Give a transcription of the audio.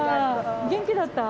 元気だった？